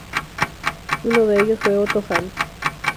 Uno de ellos fue Otto Hahn.